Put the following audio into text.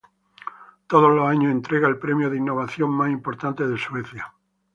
Todos los años entrega el premio de innovación más importante de Suecia.